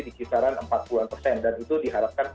di kisaran empat puluh dan itu diharapkan